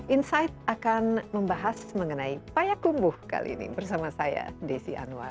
insight akan membahas mengenai payakumbuh kali ini bersama saya desi anwar